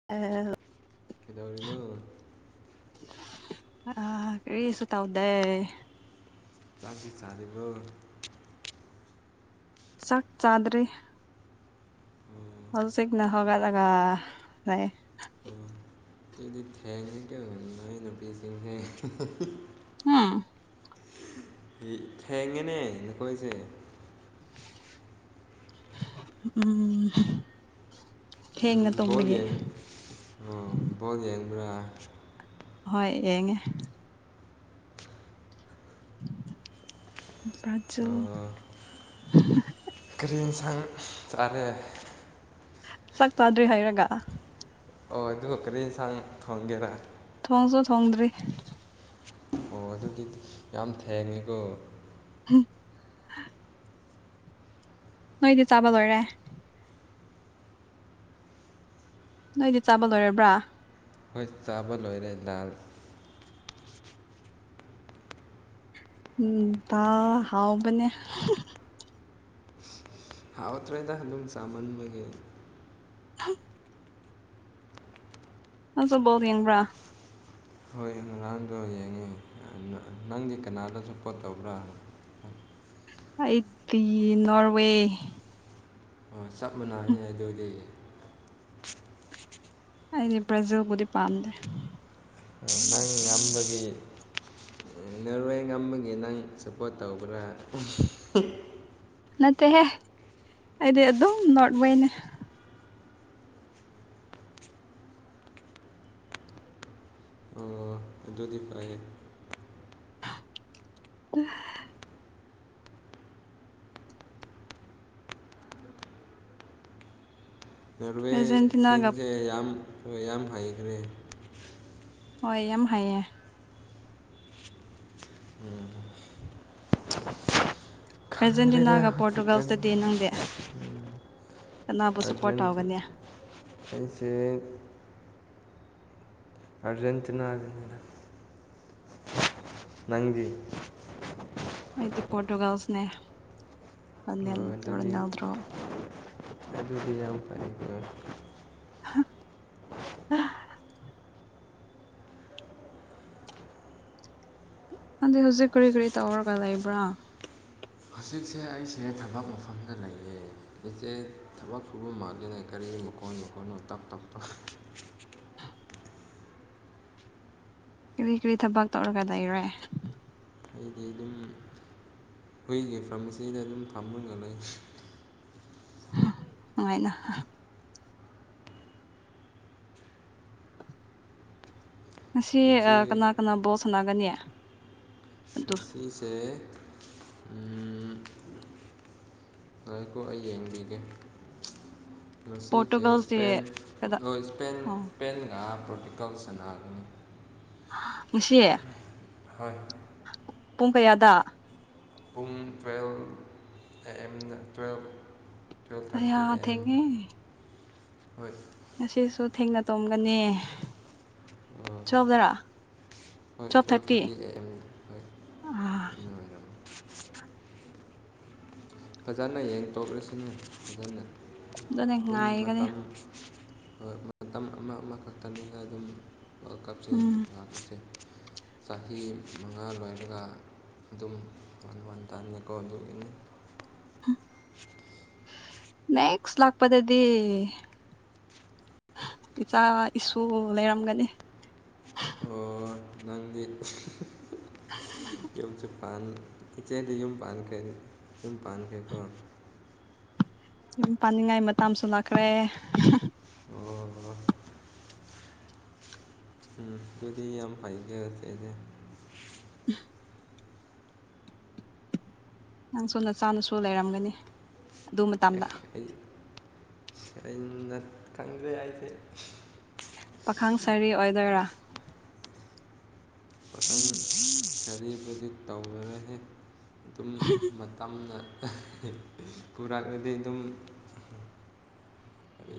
[unintelligible] ꯀꯩꯗꯧꯔꯤꯅꯣ ꯑꯥ ꯀꯔꯤꯁꯨ ꯇꯥꯎꯗꯦ ꯆꯥꯛꯇꯤ ꯆꯥꯔꯦꯕꯣ ꯆꯥꯛ ꯆꯥꯗꯔꯤ ꯎꯝ ꯍꯥꯎꯖꯤꯛꯅ ꯍꯥꯎꯒꯠꯂꯒ ꯂꯩꯌꯦ ꯎꯝ ꯑꯗꯨꯗꯤ ꯊꯦꯡꯉꯦ ꯀꫭ ꯅꫭꯏ ꯅꯨꯄꯤꯁꯤꯡ ꯁꯦ ꯍꯝ ꯊꯦꯡꯉꯦꯅꯦ ꯅꯥꯈꯣꯏꯁꯦ ꯎꯝ ꯎꯝ ꯊꯦꯡꯅ ꯕꫭꯜ ꯇꯨꯝꯕꯒꯤ ꯌꯦꯡ ꯑꯣ ꯕꯣꯜ ꯌꯦꯡꯕꯔꯥ ꯍꯣꯏ ꯌꯦꯡꯉꯦ ꯕ꯭ꯔꯖꯤꯜ ꯑꯣ ꯀꯔꯤ ꯏꯟꯁꯥꯡ ꯆꯥꯔꯦ ꯆꯥꯛ ꯆꯥꯗ꯭ꯔꯤ ꯍꯥꯏꯔꯒ ꯑꯣ ꯑꯗꯨꯒ ꯀꯔꯤ ꯌꯦꯟꯁꯥꯡ ꯊꫭꯡꯒꯦꯔꯥ ꯊꯣꯡꯁꯨ ꯊꯣꯡꯗ꯭ꯔꯤ ꯑꯣ ꯑꯗꯨꯗꯤ ꯌꯥꯝ ꯊꯦꯡꯉꯦꯀꯣ ꯍꯨꯝ ꯅꯣꯏꯗꯤ ꯆꯥꯕ ꯂꯣꯏꯔꯦ ꯅꯣꯏꯗꯤ ꯆꯥꯕ ꯂꯣꯏꯔꯕ꯭ꯔꯥ ꯍꯣꯏ ꯆꯥꯕ ꯂꯣꯏꯔꯦ ꯂꯥꯜ ꯎꯝ ꯗꯥ ꯍꯥꯎꯕꯅꯦ ꯍꯥꯎꯠꯇ꯭ꯔꯦꯗ ꯑꯗꯨꯝ ꯆꯥꯝꯃꯟꯕꯒꯤ ꯑꯩ [unintelligible] ꯅꯪꯁꯨ ꯕꯣꯜ ꯌꯦꯡꯕꯔꯥ ꯍꯣꯏ ꯔꫭꯅꯥꯜꯗꫭ ꯌꯦꯡꯉꯦ ꯅꯪꯗꯤ ꯀꯅꯥꯗ ꯁꯥꯞꯄꯣꯠ ꯇꯧꯕ꯭ꯔꯥ ꯑꯩꯗꯤ ꯅꯣꯔꯋꯦ ꯆꯞ ꯃꯥꯟꯅꯅꯤ ꯑꯗꯨꯗꯤ ꯑꯩꯗꯤ ꯕ꯭ꯔꯖꯤꯜꯕꯨꯗꯤ ꯄꯥꯝꯗꯦ ꯅꯪ ꯉꯝꯕꯒꯤ ꯅꯔꯋꯦ ꯉꯝꯕꯒꯤ ꯅꯪ ꯁꯞꯄꯣꯔꯠ ꯇꯧꯕ꯭ꯔꯥ ꯅꯠꯇꯦꯍꯦ ꯑꯩꯗꯤ ꯑꯗꯨꯝ ꯅꯣꯔꯋꯦꯅꯦ ꯑꯣ ꯑꯗꯨꯗꯤ ꯐꯤꯏꯌꯦ [unintelligible] ꯑꯥꯔꯖꯦꯟꯇꯤꯅꯥꯒ ꯔꯦꯜꯋꯦꯁꯤꯡꯁꯦ ꯌꯥꯝ ꯌꯥꯝ ꯍꯩꯈ꯭ꯔꯦ ꯍꯣꯏ ꯌꯥꯝ ꯍꯩꯌꯦ ꯎꯝ ꯈꯪꯗ꯭ꯔꯦꯗ ꯑꯔꯖꯦꯟꯇꯤꯅꯥꯒ ꯄꯣꯔꯇꯨꯒꯥꯜ ꯍꯧꯖꯤꯛꯀꯥꯟ ꯗꯥꯗꯤ ꯅꯪꯗꯤ ꯀꯅꯥꯕꯨ ꯁꯥꯞꯄꯣꯠ ꯑꯥꯔꯖꯦꯟꯇꯤꯅꯥ ꯇꯧꯒꯅꯤ ꯑꯩꯁꯦ ꯑꯔꯖꯦꯟꯇꯤꯅꯥꯅꯤꯗꯥ ꯅꯪꯗꯤ ꯑꯩꯗꯤ ꯄꫭꯔꯇꯨꯒꯥꯜꯅꯦ ꯔꫭꯅꯦꯜ ꯑꯣ ꯑꯗꯨꯗꯤ ꯔꫭꯅꯥꯜꯗꫭꯔ ꯑꯗꯨꯗꯤ ꯌꯥꯝ ꯐꯩꯌꯦ [unintelligible] [unintelligible] ꯑꯗꯨꯗꯤ ꯍꯧꯖꯤꯛ ꯀꯔꯤ ꯀꯔꯤ ꯇꯧꯔꯒ ꯂꯩꯕ꯭ꯔꯥ ꯍꯧꯖꯤꯛꯁꯦ ꯑꯩꯁꯦ ꯊꯕꯛ ꯃꯐꯝꯗ ꯂꯩꯌꯦ ꯏꯆꯦ ꯊꯕꯛ ꯈꯨꯕꯝꯃꯛꯅ ꯀꯔꯤ ꯃꯈꯣꯟ ꯃꯈꯣꯟꯅꯣ ꯇꯞ ꯇꯞ ꯇ ꯀꯔꯤ ꯀꯔꯤ ꯊꯕꯛ ꯇꯧꯔꯒ ꯂꯩꯔꯦ꯫ [unintelligible] ꯑꯈꯣꯏꯒꯤ ꯐꯥꯔꯃꯥꯁꯤꯗ ꯑꯗꯨꯝ ꯐꯥꯝꯝꯕ ꯉ ꯂꯩ꯫ ꯍꯨꯝ ꯅꯨꯡꯉꯥꯏꯅ ꯉꯁꯤ ꯏꯆꯦ ꯀꯅꯥ ꯀꯅꯥ ꯕꯣꯠ ꯁꯥꯟꯅꯥꯒꯅꯤ꯫ ꯉꯁꯤꯁꯦ ꯎꯝ ꯉꯀꯣ ꯑꯩ ꯌꯦꯡꯕꯤꯒꯦ꯫ ꯉꯁꯤꯁꯦ ꯄꯣꯔꯇꯨꯒꯜꯁꯦ ꯀꯗꯥ ꯏꯁꯄꯦꯟꯣꯏ ꯏꯁꯄꯦꯟ ꯑꯣ ꯏꯁꯄꯦꯟꯒ ꯄꯣꯔꯇꯨꯀꯜ ꯁꯅꯒꯅꯤ꯫ ꯉꯁꯤ ꯍꯣꯏ ꯄꯨꯡ ꯀꯌꯥꯗ ꯄꯨꯡ ꯇꯨꯌꯦꯞ ꯑ ꯑꯦꯝꯗ ꯇꯨꯌꯦꯞ ꯍꯥ ꯊꯦꯡꯑꯦ ꯍꯣꯏ ꯉꯁꯤꯁꯨ ꯊꯦꯡꯅ ꯇꯣꯝꯒꯅꯤ꯫ [unintelligible] ꯍꯣꯏ ꯇꯨꯋꯦꯜꯐ ꯇꯨꯌꯦꯞ ꯊꯥꯔꯇꯤ ꯊ꯭ꯔꯥꯇꯤꯗ ꯑꯦ ꯑꯦꯝ ꯍꯣꯢ [unintelligible] ꯐꯖꯅ ꯌꯦꯡꯊꯣꯛꯂꯁꯤꯅ ꯑꯗꯨꯅ ꯑꯗꯨꯅꯦ ꯇꯨꯝ ꯉꯥꯏꯒꯅꯤ ꯃꯇꯝ ꯃꯇꯝ ꯑꯃ ꯑꯃꯈꯛꯇꯅꯤꯅ ꯑꯗꯨꯝ ꯋꯥꯔꯜ ꯀꯞꯁꯦ ꯎꯝ ꯂꯥꯛꯁꯦ꯫ ꯆꯍꯤ ꯃꯉꯥ ꯂꯣꯏꯔꯒ ꯑꯗꯨꯝ ꯋꯥꯟ ꯋꯥꯟ ꯇꯥꯅꯤꯀꯣ ꯑꯗꯨꯒꯤꯅꯤ꯫ ꯅꯦꯁ ꯂꯥꯛꯄꯗꯗꯤ ꯏꯆꯥ ꯏꯁꯨ ꯂꯩꯔꯝꯒꯅꯤ꯫ ꯑꯣ ꯅꯪꯒꯤ [unintelligible] ꯌꯨꯝꯁꯨ ꯏꯆꯦꯗꯤ ꯌꯨꯝ ꯄꯥꯟꯈ꯭ꯔꯦ ꯌꯨꯝ ꯄꯥꯟꯈ꯭ꯔꯦꯀꯣ꯫ ꯌꯥꯝ ꯄꯥꯅꯤꯡꯉꯥꯏ ꯃꯇꯥꯡꯁꯨ ꯂꯥꯛꯈ꯭ꯔꯦ꯫ [unintelligible] ꯑꯣ ꯎꯝ ꯑꯗꯨꯗꯤ ꯌꯥꯝ ꯐꯩꯅꯦ ꯆꯦꯁꯦ꯫ [unintelligible] ꯅꯪꯁꯨ ꯅꯆꯥ ꯅꯁꯨ ꯂꯩꯔꯝꯒꯅꯤ꯫ ꯑꯗꯨ ꯑꯦ ꯃꯇꯝꯗ ꯑꯩ ꯑꯩꯅ ꯈꯪꯗꯦ ꯑꯩꯗꯤ꯫ ꯄꯥꯈꯪ ꯁꯔꯤ ꯑꯣꯏꯗꯣꯏꯔꯥ꯫ ꯄꯈꯪ ꯑꯔꯤꯕꯗꯤ ꯇꯧꯅꯔꯦꯍꯦ ꯇꯝꯅ ꯄꯨꯔꯛꯑꯗꯤ ꯑꯗꯨꯝ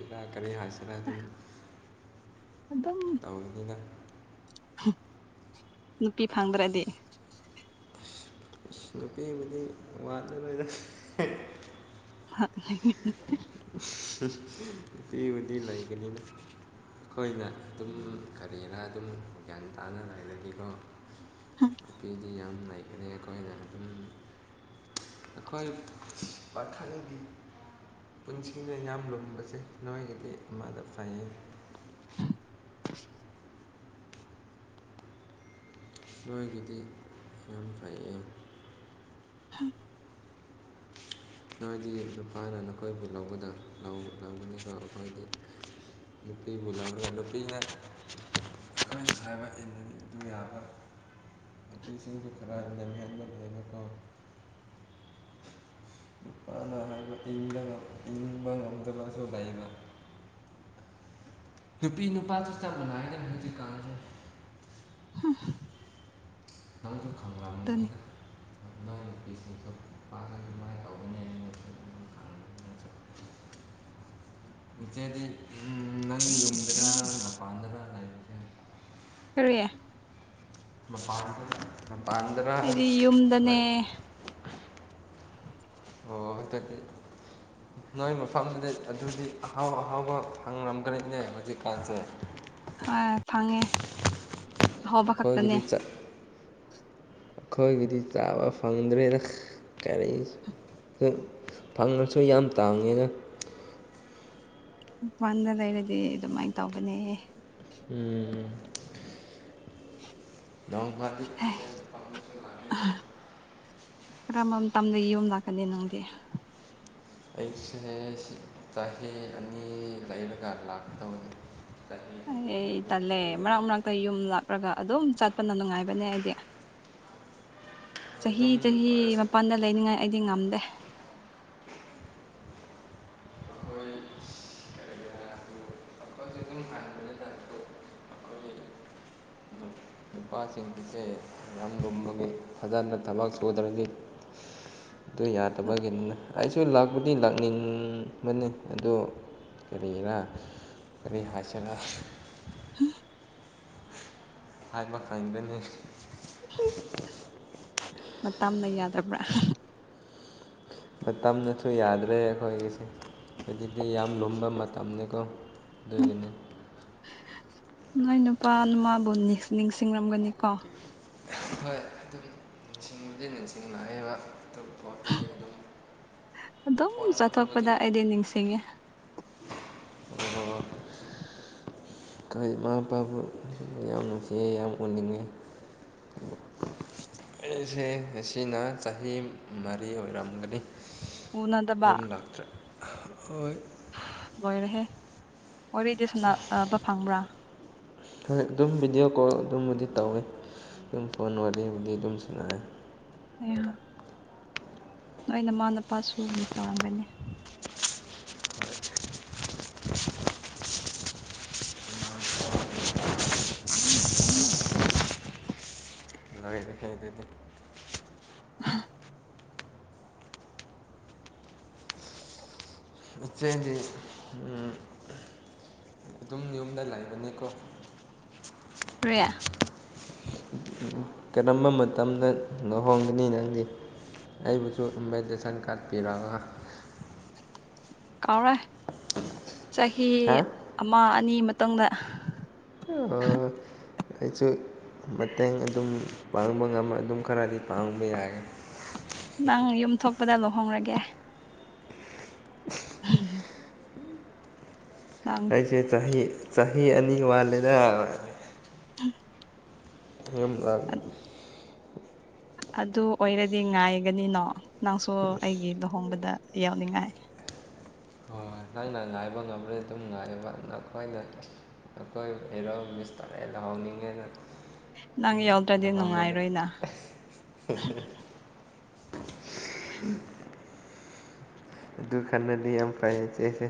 ꯏꯔꯥ ꯀꯔꯤ ꯍꯥꯏꯁꯤꯔ ꯑꯗꯨꯝ꯫ ꯑꯗꯨꯝ ꯇꯧꯕꯅꯤꯅ ꯅꯨꯄꯤ ꯐꯪꯗ꯭ꯔꯗꯤ ꯅꯨꯄꯤꯕꯨꯗꯤ ꯋꯥꯠꯂ ꯕꯣꯏꯗ꯫ [unintelligible] ꯎꯝ ꯅꯨꯄꯤ ꯕꯨꯗꯤ ꯂꯩꯒꯅꯤꯗ꯫ ꯑꯈꯣꯏꯅ ꯑꯗꯨꯝ ꯀꯔꯤꯅ ꯑꯗꯨꯝ ꯒ꯭ꯌꯥꯟ ꯇꯥꯅꯔꯒꯗꯤꯀꯣ꯫ ꯅꯨꯄꯤꯗꯤ ꯌꯥꯝ ꯂꯩꯈꯔꯦ ꯑꯈꯣꯏꯗ [unintelligible] ꯑꯩꯈꯣꯏ ꯄꯥꯈꯪꯗꯤ ꯄꯨꯟꯁꯤꯅ ꯏ ꯂꯨꯝꯕꯁꯦ ꯅꯣꯏꯒꯤꯗꯤ ꯑꯃꯗ ꯐꯩꯌꯦ꯫ [unintelligible] ꯅꯣꯏꯒꯤꯗꯤ ꯌꯥꯝ ꯐꯩꯌꯦ ꯎꯝ [inaudible] ꯅꯣꯏꯗꯤ ꯅꯨꯨꯄꯥꯅ ꯅꯈꯣꯏꯕꯨ ꯂꯧꯒꯗꯕ ꯂꯧꯒꯗꯕꯅꯤꯀꯣ ꯑꯩꯈꯣꯏꯗꯤ ꯅꯨꯄꯤꯕꯨ ꯂꯧꯔꯥ ꯅꯨꯄꯤꯅ ꯑꯩꯈꯣꯏꯅ ꯍꯥꯏꯕ ꯏꯟꯕꯥ ꯌꯥꯕ ꯅꯨꯄꯤꯁꯤꯡꯁꯨ ꯈꯔ ꯂꯝꯍꯦꯟꯕ ꯂꯩꯅꯀꯣ ꯅꯨꯄꯥꯅ ꯍꯥꯏꯕ ꯏꯟꯕ ꯏꯟꯕ ꯉꯝꯗꯕꯁꯨ ꯂꯩꯕ ꯅꯨꯄꯤ ꯅꯨꯄꯥꯁꯨ ꯆꯞ ꯃꯥꯟꯅꯩ ꯍꯥꯏꯅ ꯍꯧꯖꯤꯛꯀꯥꯟꯁꯦ [unintelligible] [unintelligible] ꯗꯨꯅꯤ [unintelligible] ꯅꯨꯄꯥꯅ ꯑꯃꯥꯏꯅ ꯇꯧꯕꯅꯦꯅ [unintelligible] ꯏꯆꯦꯗꯤ ꯎꯝ ꯅꯪꯒꯤ ꯌꯨꯝꯗꯔꯥ ꯃꯄꯥꯟꯗꯔ ꯀꯔꯤꯌꯦ ꯃꯄꯥꯟ [unintelligible] ꯃꯄꯥꯟ ꯑꯩꯗꯤ ꯌꯨꯝꯗꯅꯦ ꯑꯣ ꯑꯗꯨꯗꯤ ꯅꯣꯏ ꯃꯐꯝꯗꯨꯗ ꯑꯗꯨꯗꯤ ꯑꯍꯥꯎ ꯑꯍꯥꯎꯕ ꯐꯪꯔꯝꯒꯅꯤꯅꯦ ꯍꯧꯖꯤꯛꯀꯥꯟꯁꯦ ꯍꯣꯏ ꯐꯪꯉꯦ ꯑꯍꯥꯎꯕ ꯑꯩꯈꯣꯏꯒꯤꯗꯤ ꯈꯛꯇꯅꯦ ꯆꯠ ꯑꯩꯈꯣꯏꯒꯤꯗꯤ ꯆꯥꯕ ꯐꯪꯗ꯭ꯔꯦꯗ ꯀꯔꯤ ꯎꯝ ꯐꯪꯉꯁꯨ ꯌꯥꯝ ꯇꯥꯡꯉꯦꯅꯦ ꯃꯄꯥꯟꯗ ꯂꯩꯔꯗꯤ ꯑꯗꯨꯃꯥꯏ ꯇꯧꯕꯅꯦ ꯎꯝ ꯅꯣꯡ ꯐꯥꯟꯗꯤ [unintelligible] ꯀꯔꯝꯕ ꯃꯇꯝꯗ ꯌꯨꯝ ꯂꯥꯛꯀꯅꯤ ꯅꯪꯗꯤ ꯑꯩꯁꯦ ꯆꯍꯤ ꯑꯅꯤ ꯂꯩꯔꯒ ꯂꯥꯛꯀꯗꯧꯅꯤ ꯆꯍꯤ ꯑꯅꯤ ꯑꯩ ꯑꯃꯨꯛ ꯇꯜꯂꯦ ꯂꯩꯌꯦ ꯃꯔꯛ ꯃꯔꯛꯇ ꯌꯨꯝ ꯂꯥꯛꯔꯒ ꯑꯗꯨꯝ ꯆꯠꯄꯅ ꯅꯨꯡꯉꯥꯏꯕꯅꯦ ꯑꯩꯗꯤ ꯆꯍꯤ ꯑꯗꯨꯝ ꯆꯍꯤ ꯑꯣꯏꯔꯁꯨ ꯃꯄꯥꯟꯗ ꯂꯩꯅꯤꯡꯉꯥꯏ ꯑꯩꯗꯤ ꯉꯝꯗꯦ ꯑꯩꯈꯣꯏ [unintelligible] [unintelligible] ꯅꯨꯄꯥꯁꯤꯡꯁꯦ ꯌꯥꯝ ꯂꯨꯝꯃꯒꯤ ꯐꯖꯅ ꯊꯕꯛ ꯁꯨꯗ꯭ꯔꯗꯤ ꯑꯗꯨ ꯌꯥꯗꯕꯒꯤꯅꯤꯅ ꯑꯩꯁꯨ ꯂꯥꯛꯄꯨꯗꯤ ꯂꯥꯛꯅꯤꯡꯕꯅꯤ ꯑꯗꯨ ꯀꯔꯤꯔꯥ ꯀꯔꯤ ꯍꯥꯏꯁꯤꯔꯥ ꯍꯥꯏꯕ ꯈꯪꯗꯦꯅꯦ ꯃꯇꯝꯅ ꯌꯥꯗꯕ꯭ꯔꯥ ꯃꯇꯝꯅꯁꯨ ꯌꯥꯗ꯭ꯔꯦ ꯑꯩꯈꯣꯏꯒꯤꯁꯦ ꯍꯧꯖꯤꯛꯇꯤ ꯌꯥꯝ ꯂꯨꯝꯕ ꯃꯇꯝꯅꯤꯀꯣ ꯑꯗꯨꯒꯤꯅꯤ ꯅꯣꯢ ꯅꯨꯄꯥ ꯃꯥꯕꯨ ꯅꯤꯁ ꯅꯤꯡꯁꯤꯡꯔꯝꯒꯅꯤ ꯀꯣ ꯍꯣꯏ ꯑꯗꯨꯝ ꯏꯁꯤꯡꯕꯨꯗꯤ ꯅꯤꯡꯁꯤꯡ ꯂꯥꯛꯑꯦꯕ ꯑꯗꯣ ꯄꯣꯠꯇꯗꯤ ꯑꯗꯨꯝ ꯑꯗꯨꯝ ꯐꯣꯟꯕꯨꯗꯤ ꯆꯠꯊꯣꯛꯄꯗ ꯑꯩꯗꯤ ꯅꯤꯡꯁꯤꯡꯉꯦ ꯍꯣ ꯍꯣ ꯍꯣꯏ ꯈꯔ ꯏꯃꯥ ꯏꯄꯥꯕꯨ ꯌꯥꯝ ꯅꯨꯡꯁꯤꯌꯦ ꯌꯥꯝ ꯎꯅꯤꯡꯉꯦ [inaudible] ꯑꯩꯁꯦ ꯉꯁꯤꯅ ꯆꯍꯤ ꯃꯔꯤ ꯑꯣꯏꯔꯝꯒꯅꯤ ꯎꯅꯗꯕ ꯌꯨꯝ ꯂꯥꯛꯇ꯭ꯔꯦ [unintelligible] ꯂꯣꯏꯔꯦꯍꯦ ꯋꯥꯔꯤꯗꯤ ꯁꯨꯅꯥꯑꯕ ꯐꯪꯕ꯭ꯔꯥ ꯍꯣꯏ ꯑꯗꯨꯝ ꯚꯤꯗꯤꯑꯣ ꯀꯣꯜ ꯑꯗꯨꯝꯕꯨꯗꯤ ꯇꯧꯋꯦ ꯌꯨꯝ ꯐꯣꯟ ꯋꯥꯔꯤꯕꯨꯗꯤ ꯑꯗꯨꯝ ꯁꯥꯅꯩ ꯑꯌꯥ ꯅꯣꯏ ꯅꯃꯥ ꯅꯄꯥꯁꯨ ꯃꯤꯁ ꯇꯧꯔꯝꯒꯅꯤ ꯍ ꯑꯗꯨ ꯎꯝ [unintelligible] ꯏꯆꯦꯗꯤ ꯑꯗꯨꯝ ꯌꯨꯝꯗ ꯂꯩꯕꯅꯤꯀꯣ ꯔꯔꯤꯌꯥ [unintelligible] ꯎ [inaudible] ꯀꯔꯝꯕ ꯃꯇꯝꯗ ꯂꯨꯍꯣꯡꯒꯅꯤ ꯅꯪꯗꯤ ꯑꯩꯕꯨꯁꯨ ꯏꯟꯚꯥꯏꯇꯦꯁꯟ ꯀꯥꯔꯠ ꯄꯤꯔꯒ ꯀꯥꯎꯔꯦ ꯆꯍꯤ ꯍꯥ ꯑꯃ ꯑꯅꯤ ꯃꯇꯪꯗ ꯑ ꯑꯩꯁꯨ ꯃꯇꯦꯡ ꯑꯗꯨꯝ ꯄꯥꯡꯕ ꯉꯝ ꯑꯗꯨꯝ ꯈꯔꯗꯤ ꯄꯥꯡꯕ ꯌꯥꯒꯦ ꯅꯪ ꯌꯨꯝ ꯊꯣꯛꯄꯗ ꯂꯨꯍꯣꯡꯔꯒꯦ ꯎꯝ [inaudible] ꯑꯩꯁꯦ ꯆꯍꯤ ꯆꯍꯤ ꯑꯅꯤ ꯋꯥꯜꯂꯦꯗ ꯎꯝ [unintelligible] ꯌꯨꯝꯂꯥꯛ ꯑꯗꯨ ꯑꯣꯏꯔꯗꯤ ꯉꯥꯏꯒꯅꯤꯅꯣ ꯅꯪꯁꯨ ꯑꯩꯒꯤ ꯂꯨꯍꯣꯡꯕꯗ ꯌꯥꯎꯅꯤꯡꯉꯥꯏ ꯍꯣꯏ ꯅꯪꯅ ꯉꯥꯏꯕ ꯉꯝꯕ꯭ꯔꯗꯤ ꯑꯗꯨꯝ ꯉꯥꯏꯕ ꯅꯈꯣꯏꯅ ꯑꯩꯈꯣꯏ ꯑꯦꯔꯣ ꯁ ꯇꯥꯔꯦ ꯂꯧꯍꯥꯎꯅꯤꯡꯉꯦꯅ [unintelligible] ꯅꯪ ꯌꯥꯎꯗ꯭ꯔꯗꯤ ꯅꯨꯡꯉꯥꯏꯔꯣꯏꯅ [unintelligible] ꯎꯝ ꯑꯗꯨ ꯈꯟꯅꯗꯤ ꯌꯥꯝ ꯐꯩ ꯆꯦꯁꯦ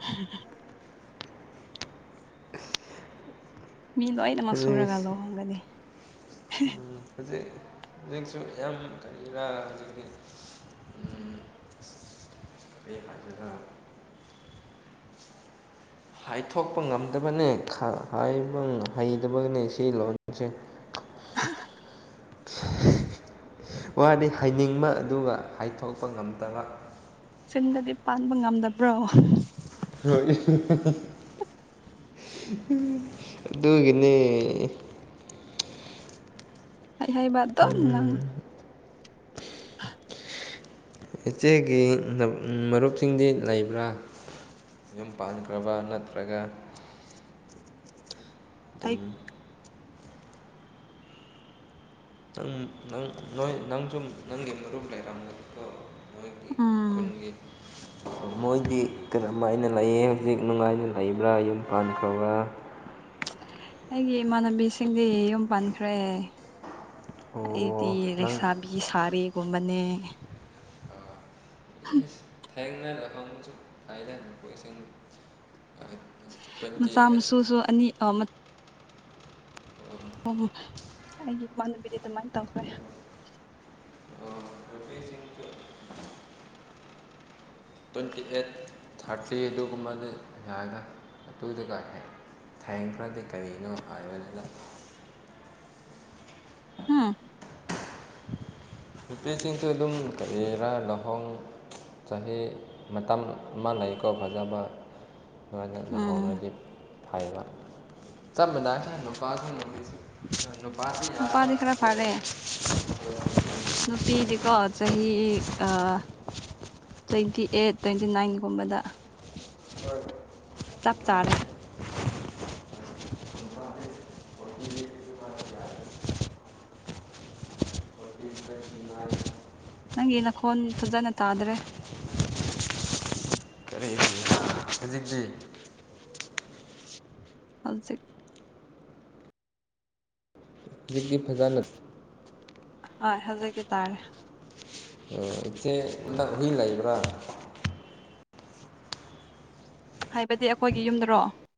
ꯎꯝ ꯃꯤ ꯂꯣꯏꯅꯃꯛ ꯁꯨꯔꯒ ꯍꯧꯖꯤꯛ ꯂꯨꯍꯣꯡꯒꯅꯤ ꯎ ꯍꯧꯖꯤꯛ ꯍꯧꯖꯤꯛꯁꯨ ꯌꯥꯝ ꯀꯔꯤꯔꯥ ꯍꯧꯖꯤꯛꯇꯤ ꯑꯩ ꯍꯥꯏꯖꯅ [unintelligible] ꯍꯥꯏꯊꯣꯛꯄ ꯉꯝꯗꯕꯅꯦꯕ ꯍꯩꯗꯕꯅꯦ ꯁꯤ ꯂꯣꯟꯁꯦ [unintelligible] ꯋꯥꯗꯤ ꯍꯥꯏꯅꯤꯡꯕ ꯑꯗꯨꯒ ꯍꯥꯏꯊꯣꯛꯄ ꯉꯝꯗꯕ ꯁꯤꯟꯗꯗꯤ ꯄꯥꯟꯕ ꯉꯝꯗꯕ꯭ꯔꯣ ꯍ ꯑꯗꯨꯒꯤꯅꯦ ꯑꯩ ꯍꯕꯥꯗ ꯉ ꯎꯝ [unintelligible] ꯏꯆꯦꯒꯤ ꯃꯔꯨꯞꯁꯤꯡꯗꯤ ꯂꯩꯕ꯭ꯔꯥ ꯌꯨꯝ ꯄꯥꯟꯈ꯭ꯔꯕ ꯅꯠꯇ꯭ꯔꯒ ꯑꯩ ꯑꯗꯨꯨꯝ ꯅꯪ ꯅꯪ ꯅꯣꯏ ꯅꯪꯁꯨ ꯅꯪꯒꯤ ꯃꯔꯨꯝ ꯂꯩꯔꯝꯒꯗꯣ ꯑꯩꯈꯣꯏꯒꯤ ꯎꯝ ꯈꯨꯟꯒꯤ [unintelligible] ꯃꯣꯏꯗꯤ ꯀꯔꯝ ꯍꯥꯏꯅ ꯂꯩꯌꯦ ꯍꯧꯖꯤꯛ ꯅꯨꯡꯉꯥꯏꯅ ꯂꯩꯕ꯭ꯔꯥ ꯌꯨꯝ ꯄꯥꯟꯈ꯭ꯔꯕ꯭ꯔꯥ ꯑꯩꯒꯤ ꯏꯃꯥꯟꯅꯕꯤꯁꯤꯡꯗꯤ ꯌꯨꯝ ꯄꯥꯟꯈ꯭ꯔꯦ ꯑꯩꯗꯤ ꯑꯣ ꯅꯪ ꯂꯦꯛꯁꯥꯕꯤ ꯐ ꯁꯥꯔꯤꯒꯨꯝꯕꯅꯦ ꯎꯝ ꯊꯦꯡꯅꯔ ꯍꯪꯕꯁꯨ ꯍꯥꯏꯗꯅ ꯄꯣꯁꯤꯡ ꯃꯆꯥ ꯃꯁꯨꯁꯨ ꯑꯅꯤ ꯑꯣ ꯑꯩꯒꯤ ꯏꯃꯥꯟꯅꯕꯤꯗꯤ ꯑꯗꯨꯃꯥꯏꯅ ꯇꯧꯈ꯭ꯔꯦ ꯑꯣ ꯔꯨꯄꯤꯁꯤꯡ ꯇꯨ ꯇ꯭ꯋꯦꯟꯇꯤ ꯑꯩꯠ ꯊꯥꯔꯇꯤ ꯑꯗꯨꯒꯨꯝꯕꯅ ꯌꯥꯅ ꯑꯗꯨꯏꯗꯒ ꯍꯥꯏ ꯊꯌꯦꯡ ꯈꯔꯗꯤ ꯀꯔꯤꯅꯣ ꯍꯥꯏꯕꯅꯤꯅ ꯎꯝ ꯅꯨꯄꯤꯁꯤꯡꯁꯨ ꯑꯗꯨꯝ ꯀꯛꯑꯦꯔꯥ ꯂꯨꯍꯣꯡ ꯆꯍꯤ ꯃꯇꯝ ꯑꯃ ꯂꯩꯀꯣ ꯐꯖꯕ ꯅꯉꯅ ꯎꯝ ꯂꯨꯍꯣꯡꯉꯗꯤ ꯐꯩꯕ ꯆꯞ ꯃꯥꯟꯅꯏꯅ ꯅꯨꯄꯥꯁꯤꯡ ꯅꯨꯄꯤꯁꯤ ꯅꯨꯄꯥꯁꯤ ꯌꯥꯗ ꯅꯨꯄꯥꯗꯤ ꯈꯔ ꯐꯔꯦ ꯂꯩ ꯅꯨꯄꯤꯗꯤꯀꯣ ꯆꯍꯤ ꯇ꯭ꯋꯦꯟꯇꯤ ꯑꯩꯠ ꯇ꯭ꯋꯦꯟꯇꯤ ꯅꯥꯏꯟꯒꯨꯝꯕꯗ ꯍꯣꯏ ꯆꯞ ꯆꯥꯔꯦ ꯅꯨꯄꯥꯗꯤ ꯐꯣꯔꯇꯤ ꯑꯗꯨꯃꯥꯏꯅ ꯌꯥꯏ. ꯅꯪꯒꯤ ꯅꯈꯣꯟ ꯐꯖꯅ ꯇꯥꯗ꯭ꯔꯦ ꯀꯔꯤ ꯍꯧꯖꯤꯛꯀꯤ ꯍꯜꯖꯤꯛ ꯍꯧꯖꯤꯛꯇꯤ ꯐꯖꯅ ꯍꯣꯏ ꯍꯧꯖꯀꯤꯦ ꯇꯥꯔꯦ ꯑꯣ ꯏꯆꯦꯥꯛ ꯍꯨꯏ ꯂ ꯂꯩꯕ꯭ꯔꯥ ꯍꯥꯏꯕꯗꯤ ꯑꯩꯈꯣꯏꯒꯤ ꯌꯨꯝꯗꯔꯣ